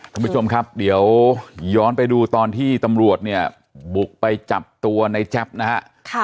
คุณผู้ชมครับเดี๋ยวย้อนไปดูตอนที่ตำรวจเนี่ยบุกไปจับตัวในแจ๊บนะฮะ